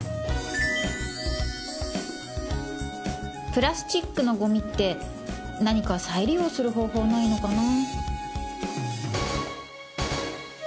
プラスチックのごみって何か再利用する方法ないのかな